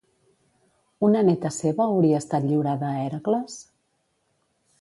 Una neta seva hauria estat lliurada a Hèracles?